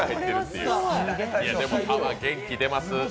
でもパワー、元気出ます。